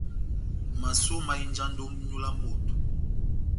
Masó mahinjandi ó nyolo ya moto.